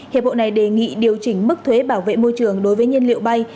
hiệp hội này đề nghị điều chỉnh mức thuế bảo vệ môi trường đối với nhân liệu bay